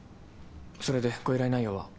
それでご依頼内容は？